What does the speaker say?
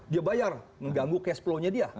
dia bayar mengganggu cash plownya dia